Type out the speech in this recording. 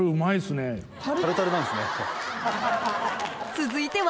続いては？